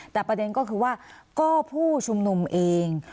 แต่ประเด็นก็คือว่าก็ผู้ชุมนุมเอง